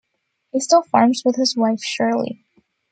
He still farms with his wife, Shirley.